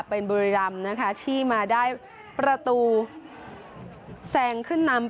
เป็นบุรีรำนะคะที่มาได้ประตูแซงขึ้นนำ